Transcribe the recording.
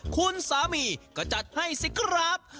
คุณสามีก็จัดให้สิครับ